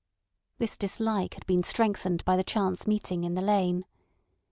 This dislike had been strengthened by the chance meeting in the lane.